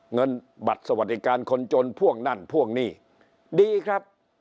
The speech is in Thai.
เงินบัตรสวัสดิการคนจนพ่วงนั่นพ่วงหนี้ดีครับ